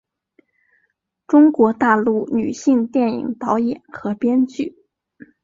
中国大陆女性电影导演和编剧。